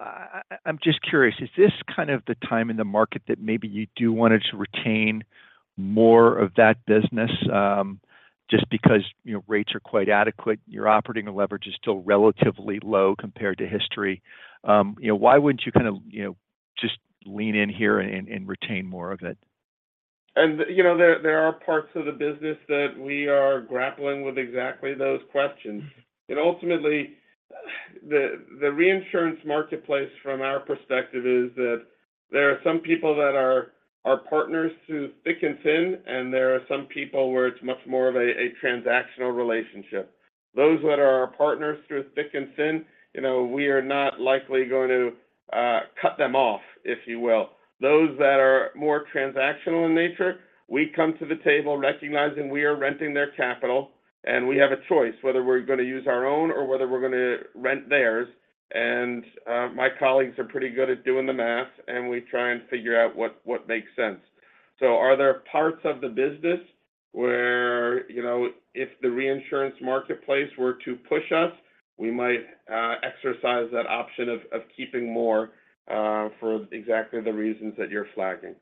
just curious, is this kind of the time in the market that maybe you do want to retain more of that business, just because, you know, rates are quite adequate, your operating leverage is still relatively low compared to history? You know, why wouldn't you kind of, you know, just lean in here and retain more of it? You know, there are parts of the business that we are grappling with exactly those questions. Ultimately, the reinsurance marketplace, from our perspective, is that there are some people that are our partners through thick and thin, and there are some people where it's much more of a transactional relationship. Those that are our partners through thick and thin, you know, we are not likely going to cut them off, if you will. Those that are more transactional in nature, we come to the table recognizing we are renting their capital, and we have a choice whether we're going to use our own or whether we're going to rent theirs. My colleagues are pretty good at doing the math, and we try and figure out what makes sense. So are there parts of the business where, you know, if the reinsurance marketplace were to push us, we might exercise that option of keeping more for exactly the reasons that you're flagging?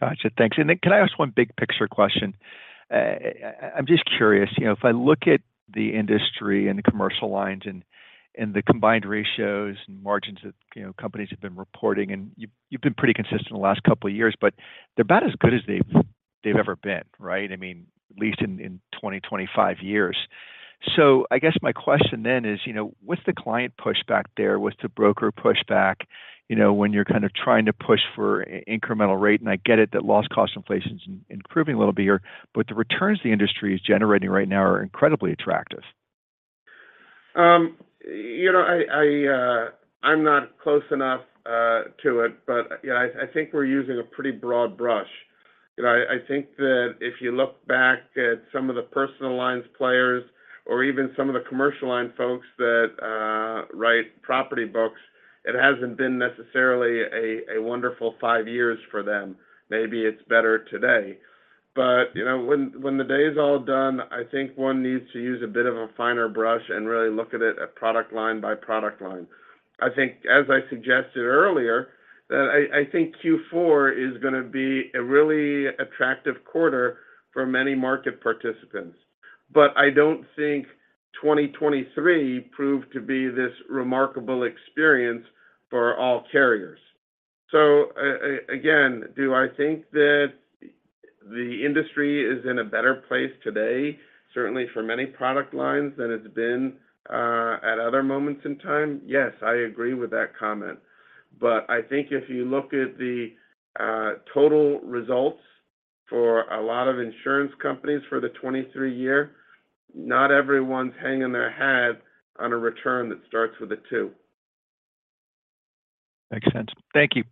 Gotcha. Thanks. And then can I ask one big picture question? I'm just curious, you know, if I look at the industry and the commercial lines and the combined ratios and margins that, you know, companies have been reporting, and you've been pretty consistent the last couple of years, but they're about as good as they've ever been, right? I mean, at least in 25 years. So I guess my question then is, you know, what's the client pushback there? What's the broker pushback, you know, when you're kind of trying to push for incremental rate? And I get it, that loss cost inflation is improving a little bit here, but the returns the industry is generating right now are incredibly attractive. You know, I think we're using a pretty broad brush. You know, I think that if you look back at some of the personal lines players or even some of the commercial line folks that write property books, it hasn't been necessarily a wonderful five years for them. Maybe it's better today, but you know, when the day is all done, I think one needs to use a bit of a finer brush and really look at it at product line by product line. I think, as I suggested earlier, that I think Q4 is going to be a really attractive quarter for many market participants, but I don't think 2023 proved to be this remarkable experience for all carriers. So, again, do I think that the industry is in a better place today, certainly for many product lines than it's been at other moments in time? Yes, I agree with that comment, but I think if you look at the total results for a lot of insurance companies for the 2023 year, not everyone's hanging their hat on a return that starts with a two. Makes sense. Thank you.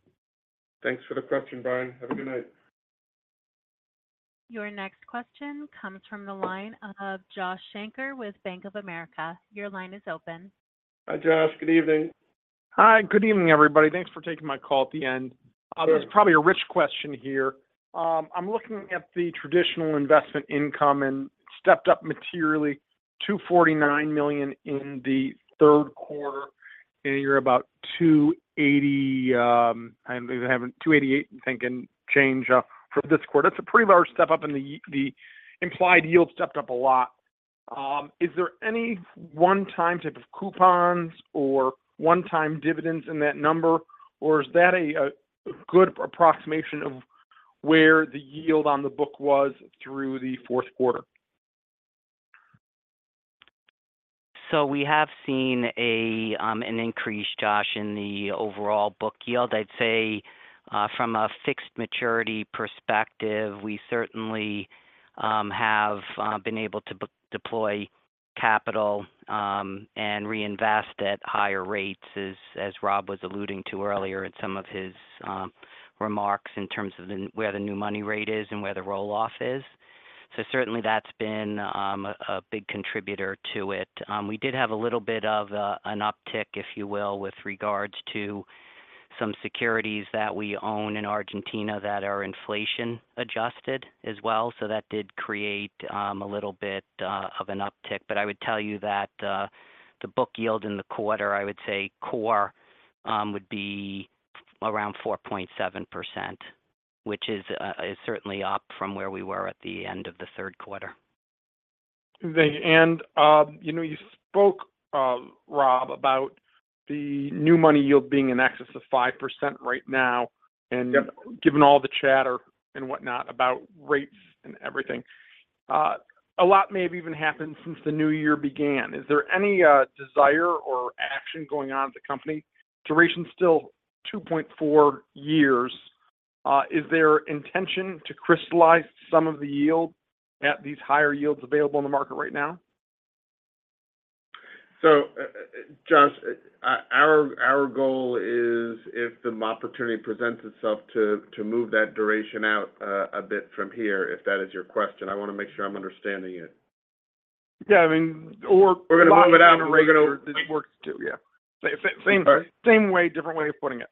Thanks for the question, Brian. Have a good night. Your next question comes from the line of Josh Shanker with Bank of America. Your line is open. Hi, Josh. Good evening. Hi, good evening, everybody. Thanks for taking my call at the end. Sure. There's probably a rich question here. I'm looking at the traditional investment income and stepped up materially to $49 million in the third quarter, and you're about $280 million, I'm having $288 million, I'm thinking, change from this quarter. That's a pretty large step up, and the implied yield stepped up a lot. Is there any one-time type of coupons or one-time dividends in that number, or is that a good approximation of where the yield on the book was through the fourth quarter? So we have seen an increase, Josh, in the overall book yield. I'd say, from a fixed maturity perspective, we certainly have been able to deploy capital, and reinvest at higher rates, as Rob was alluding to earlier in some of his remarks in terms of where the new money rate is and where the roll-off is. So certainly that's been a big contributor to it. We did have a little bit of an uptick, if you will, with regards to some securities that we own in Argentina that are inflation-adjusted as well. So that did create a little bit of an uptick. But I would tell you that, the book yield in the quarter, I would say core, would be around 4.7%, which is certainly up from where we were at the end of the third quarter. Thank you. And, you know, you spoke, Rob, about the new money yield being in excess of 5% right now. Yep. Given all the chatter and whatnot about rates and everything, a lot may have even happened since the new year began. Is there any desire or action going on in the company? Duration is still 2.4 years. Is there intention to crystallize some of the yield at these higher yields available in the market right now? So, Josh, our goal is, if the opportunity presents itself, to move that duration out a bit from here, if that is your question. I want to make sure I'm understanding it. Yeah, I mean, or- We're going to move it out on a regular. This works too. Yeah. Okay. Same, same way, different way of putting it.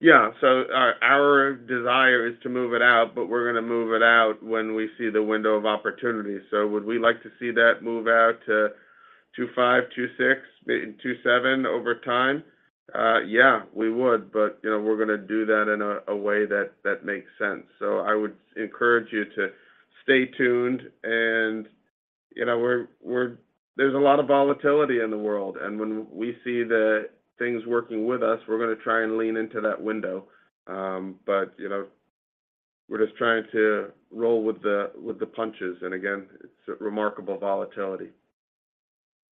Yeah. So our desire is to move it out, but we're going to move it out when we see the window of opportunity. So would we like to see that move out to 2.5, 2.6, maybe 2.7 over time? Yeah, we would. But, you know, we're going to do that in a way that makes sense. So I would encourage you to stay tuned. And, you know, we're, there's a lot of volatility in the world, and when we see the things working with us, we're going to try and lean into that window. But, you know, we're just trying to roll with the punches. And again, it's a remarkable volatility.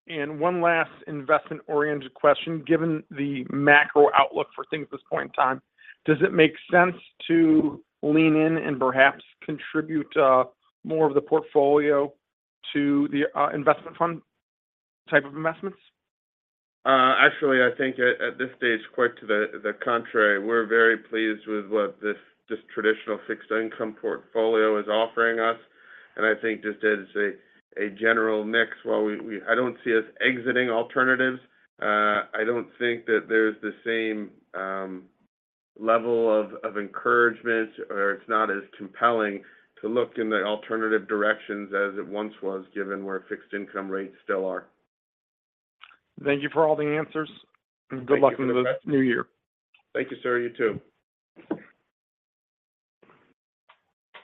One last investment-oriented question. Given the macro outlook for things at this point in time, does it make sense to lean in and perhaps contribute more of the portfolio to the investment fund type of investments? Actually, I think at this stage, quite to the contrary, we're very pleased with what this traditional fixed income portfolio is offering us, and I think just as a general mix, while we-- I don't see us exiting alternatives, I don't think that there's the same level of encouragement, or it's not as compelling to look in the alternative directions as it once was, given where fixed income rates still are. Thank you for all the answers. Thank you. Good luck with the new year. Thank you, sir. You too.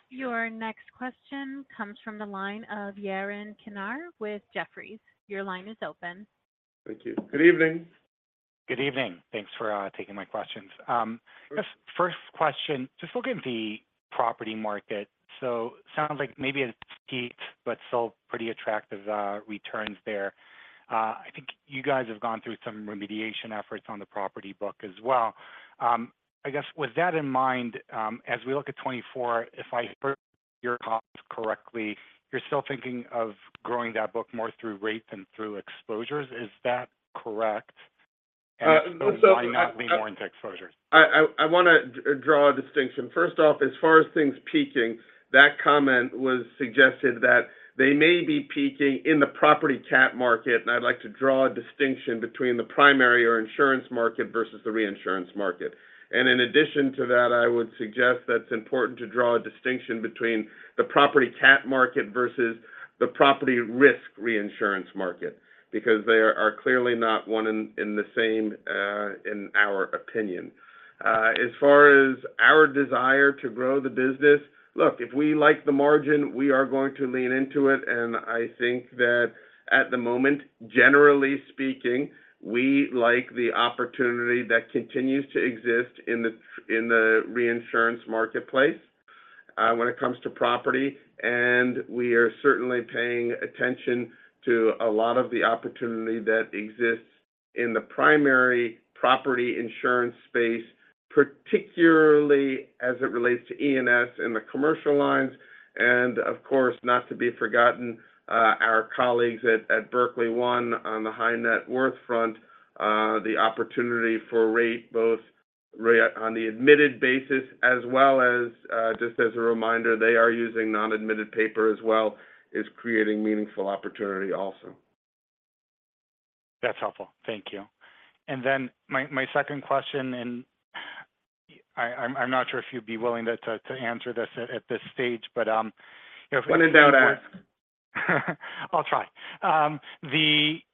Your next question comes from the line of Yaron Kinar with Jefferies. Your line is open. Thank you. Good evening. Good evening. Thanks for taking my questions. First question, just looking at the property market, so sounds like maybe it's peaked, but still pretty attractive returns there. I think you guys have gone through some remediation efforts on the property book as well. I guess with that in mind, as we look at 2024, if I heard your comments correctly, you're still thinking of growing that book more through rate than through exposures. Is that correct? Uh, so. Why not lean more into exposures? I want to draw a distinction. First off, as far as things peaking, that comment was suggested that they may be peaking in the property cat market, and I'd like to draw a distinction between the primary or insurance market versus the reinsurance market. In addition to that, I would suggest that it's important to draw a distinction between the property cat market versus the property risk reinsurance market, because they are clearly not one and the same, in our opinion. As far as our desire to grow the business, look, if we like the margin, we are going to lean into it. I think that at the moment, generally speaking, we like the opportunity that continues to exist in the reinsurance marketplace when it comes to property, and we are certainly paying attention to a lot of the opportunity that exists in the primary property insurance space, particularly as it relates to E&S in the commercial lines. Of course, not to be forgotten, our colleagues at Berkley One on the high net worth front, the opportunity for rate, both on the admitted basis as well as, just as a reminder, they are using non-admitted paper as well, is creating meaningful opportunity also. That's helpful. Thank you. And then my second question, and I'm not sure if you'd be willing to answer this at this stage, but if- When in doubt, ask. I'll try.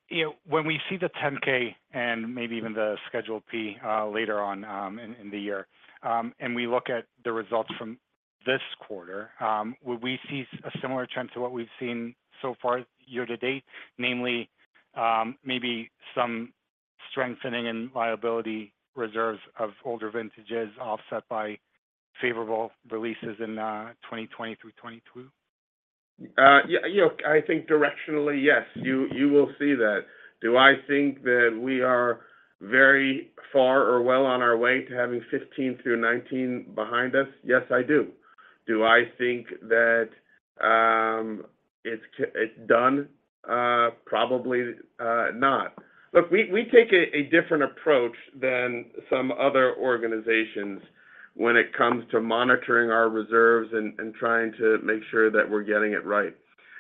You know, when we see the 10-K and maybe even the Schedule P later on in the year, and we look at the results from this quarter, would we see a similar trend to what we've seen so far year to date? Namely, maybe some strengthening in liability reserves of older vintages, offset by favorable releases in 2020 through 2022? Yeah, you know, I think directionally, yes, you, you will see that. Do I think that we are very far or well on our way to having 15 through 19 behind us? Yes, I do. Do I think that it's done? Probably not. Look, we take a different approach than some other organizations when it comes to monitoring our reserves and trying to make sure that we're getting it right.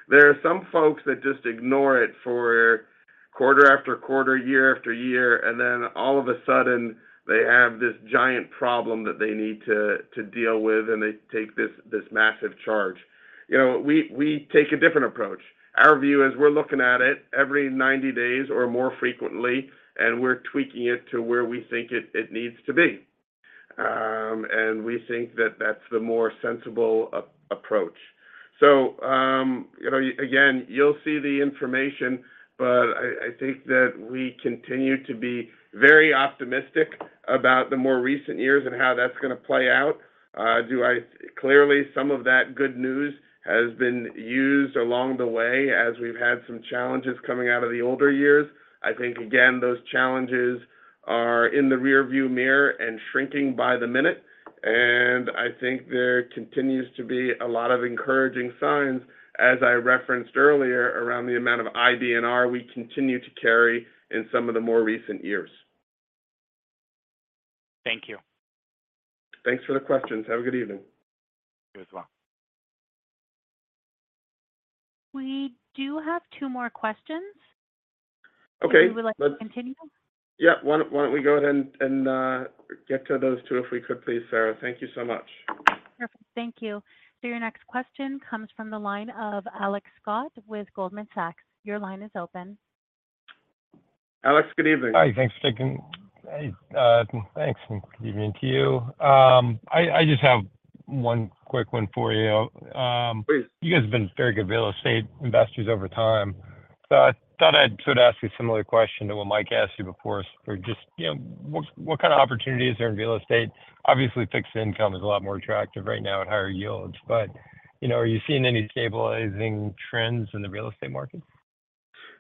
There are some folks that just ignore it for quarter after quarter, year after year, and then all of a sudden, they have this giant problem that they need to deal with, and they take this massive charge. You know, we take a different approach. Our view is we're looking at it every 90 days or more frequently, and we're tweaking it to where we think it needs to be. And we think that that's the more sensible approach. So, you know, again, you'll see the information, but I think that we continue to be very optimistic about the more recent years and how that's going to play out. Clearly, some of that good news has been used along the way as we've had some challenges coming out of the older years. I think, again, those challenges are in the rearview mirror and shrinking by the minute, and I think there continues to be a lot of encouraging signs, as I referenced earlier, around the amount of IBNR we continue to carry in some of the more recent years. Thank you. Thanks for the questions. Have a good evening. You as well. We do have two more questions. Okay. Would you like to continue? Yeah. Why don't we go ahead and get to those two if we could, please, Sarah? Thank you so much. Perfect. Thank you. So your next question comes from the line of Alex Scott with Goldman Sachs. Your line is open. Alex, good evening. Hi, thanks for taking... Hey, thanks, and good evening to you. I, I just have one quick one for you. Please. You guys have been very good real estate investors over time, so I thought I'd sort of ask you a similar question to what Mike asked you before. So just, you know, what, what kind of opportunities are in real estate? Obviously, fixed income is a lot more attractive right now at higher yields, but, you know, are you seeing any stabilizing trends in the real estate market?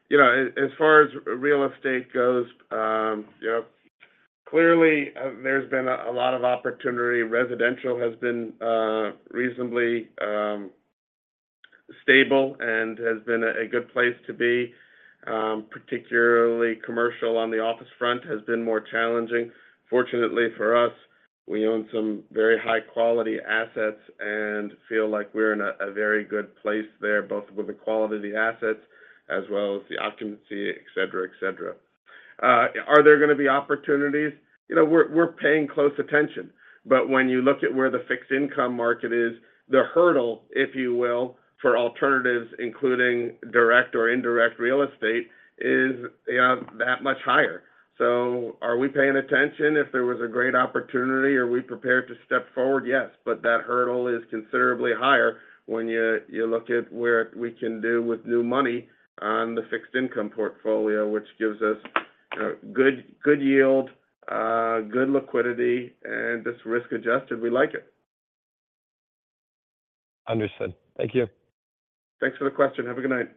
You know, as far as real estate goes, you know, clearly, there's been a lot of opportunity. Residential has been reasonably stable and has been a good place to be, particularly commercial on the office front has been more challenging. Fortunately for us, we own some very high-quality assets and feel like we're in a very good place there, both with the quality of the assets as well as the occupancy, et cetera, et cetera. Are there going to be opportunities? You know, we're paying close attention, but when you look at where the fixed income market is, the hurdle, if you will, for alternatives, including direct or indirect real estate, is that much higher. So are we paying attention if there was a great opportunity, are we prepared to step forward? Yes, but that hurdle is considerably higher when you look at what we can do with new money on the fixed income portfolio, which gives us good yield, good liquidity, and it's risk-adjusted. We like it. Understood. Thank you. Thanks for the question. Have a good night.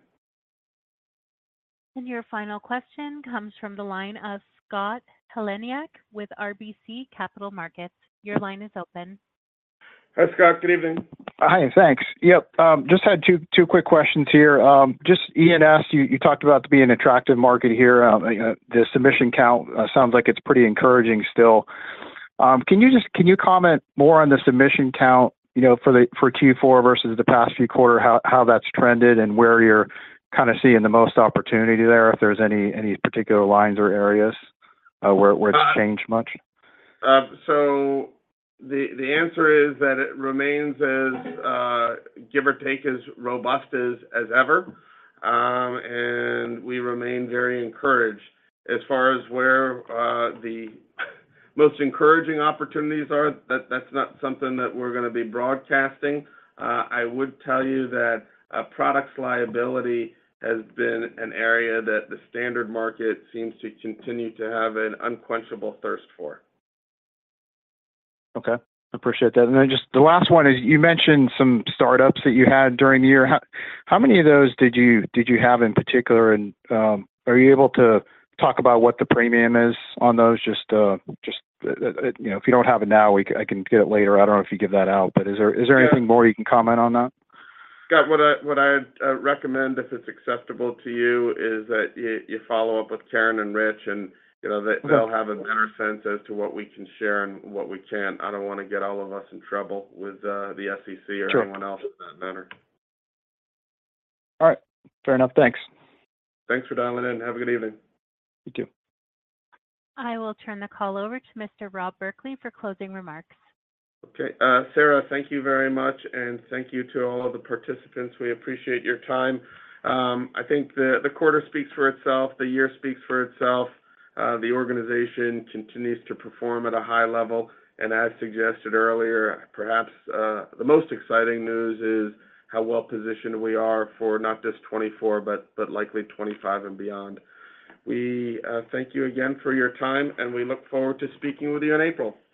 Your final question comes from the line of Scott Heleniak with RBC Capital Markets. Your line is open. Hi, Scott. Good evening. Hi, thanks. Yep, just had two quick questions here. Just E&S, you talked about to be an attractive market here. The submission count sounds like it's pretty encouraging still. Can you just comment more on the submission count, you know, for Q4 versus the past few quarter, how that's trended and where you're kind of seeing the most opportunity there, if there's any particular lines or areas where it's changed much? So the answer is that it remains as, give or take, as robust as ever, and we remain very encouraged. As far as where the most encouraging opportunities are, that's not something that we're going to be broadcasting. I would tell you that products liability has been an area that the standard market seems to continue to have an unquenchable thirst for. Okay, appreciate that. And then just the last one is, you mentioned some startups that you had during the year. How many of those did you have in particular, and are you able to talk about what the premium is on those? Just you know, if you don't have it now, we can... I can get it later. I don't know if you give that out, but is there? Yeah Is there anything more you can comment on that? Scott, what I'd recommend, if it's acceptable to you, is that you follow up with Karen and Rich, and, you know, they. Okay They'll have a better sense as to what we can share and what we can't. I don't want to get all of us in trouble with, the SEC. Sure. Or anyone else for that matter. All right. Fair enough. Thanks. Thanks for dialing in, and have a good evening. You too. I will turn the call over to Mr. Rob Berkley for closing remarks. Okay. Sarah, thank you very much, and thank you to all of the participants. We appreciate your time. I think the, the quarter speaks for itself, the year speaks for itself. The organization continues to perform at a high level, and as suggested earlier, perhaps, the most exciting news is how well positioned we are for not just 2024, but, but likely 2025 and beyond. We thank you again for your time, and we look forward to speaking with you in April.